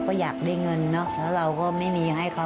สวัสดีค่ะสวัสดีค่ะ